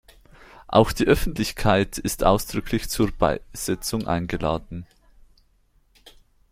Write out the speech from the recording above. Auch die Öffentlichkeit ist ausdrücklich zur Beisetzung eingeladen.